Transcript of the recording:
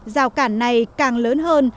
giào cản này càng lớn hơn